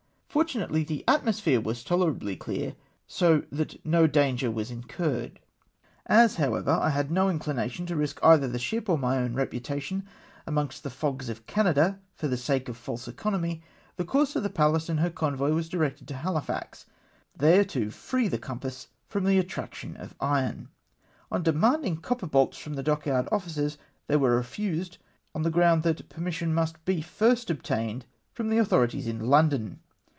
Fortunately the atmosphere was tolerably clear, so that no danger was incmTed. As, however, I had no inclination to risk either the ship or my own reputation amongst the fogs of Canada for the sake of false economy, the course of the Pallas and her convoy was directed to Hahfax, there to free the compass from the attraction of u on. On demanchng copper bolts from the dockyard officers, they were refused, on the ground that permission must be first obtained from the authorities in London